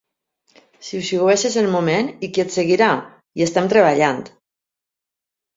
Xiuxiueges el moment i qui et seguirà?...Hi estem treballant.